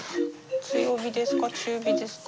強火ですか？